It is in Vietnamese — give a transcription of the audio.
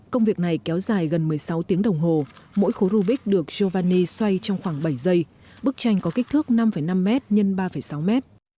công việc này kéo dài gần một mươi sáu tiếng đồng hồ mỗi khối rubik được jovanny xoay trong khoảng bảy giây bức tranh có kích thước năm năm m x x ba sáu mét